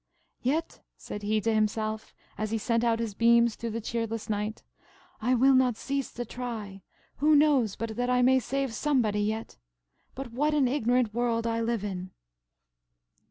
"Yet," said he to himself, as he sent out his beams through the cheerless night, "I will not cease to try; who knows but that I may save somebody yet! But what an ignorant world I live in!"